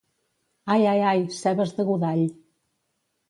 Ai, ai, ai!, cebes de godall.